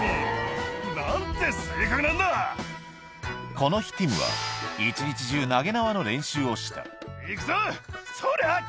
この日ティムは一日中投げ縄の練習をした行くぞそりゃ！